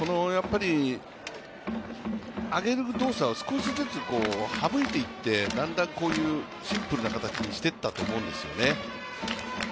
上げる動作を少しずつ省いていってだんだんこういうシンプルな形にしてったと思うんですよね。